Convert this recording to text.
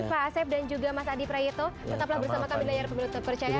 pak asep dan juga mas adi prayeto tetaplah bersama kami di layar pemilu terpercaya